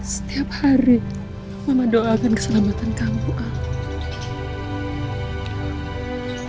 setiap hari mama doakan keselamatan kamu